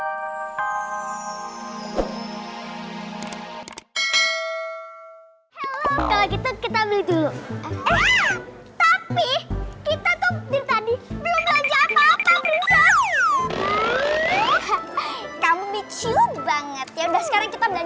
kalau gitu kita beli dulu tapi kita tuh tadi belum belanja apa apa berita kamu